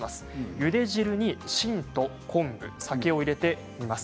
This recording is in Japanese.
ゆで汁に芯と昆布、酒を入れています。